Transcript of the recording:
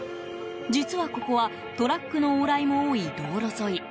実はここはトラックの往来も多い道路沿い。